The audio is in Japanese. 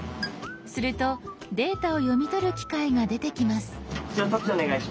するとデータを読み取る機械が出てきます。